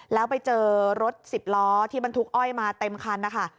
แล้วไปเจอรถ๑๐ล้อที่บรรทุกอ้อยมาเต็มคันนะคะ